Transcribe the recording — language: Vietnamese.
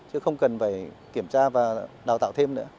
chứ không cần phải kiểm tra và đào tạo thêm nữa